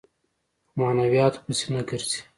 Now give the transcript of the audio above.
په معنوياتو پسې نه ګرځي.